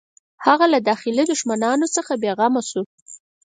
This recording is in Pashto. هغه له داخلي دښمنانو څخه بېغمه شو.